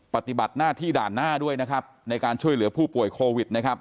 ปฏิบัติหน้าที่ด่านหน้าด้วยนะครับในการช่วยเหลือผู้ป่วยโควิดนะครับ